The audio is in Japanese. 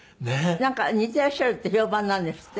なんか似てらっしゃるって評判なんですって？